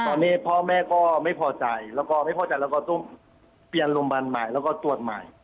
ตอนนี้พ่อแม่ก็ไม่พอใจแล้วก็ไม่พอใจแล้วก็ต้องเปลี่ยนโรงพยาบาลใหม่แล้วก็ตรวจใหม่